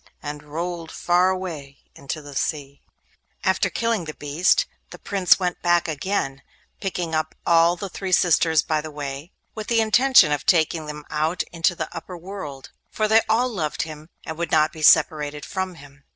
and rolled far away into the sea. After killing the beast, the Prince went back again, picking up all the three sisters by the way, with the intention of taking them out into the upper world: for they all loved him and would not be separated from him.